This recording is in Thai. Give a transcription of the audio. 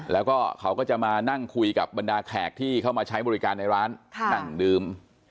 แล้วก็เขาก็จะมานั่งคุยกับบรรดาแขกที่เข้ามาใช้บริการในร้านนั่งดื่ม